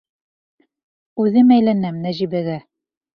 Үҙем әйләнәм Нәжибәгә!